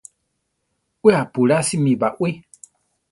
We apulásimi baʼwí.